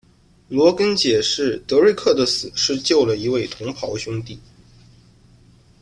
罗根解释德瑞克的死是救了一位同袍兄弟。